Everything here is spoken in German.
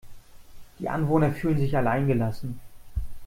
Die Anwohner fühlen sich allein gelassen.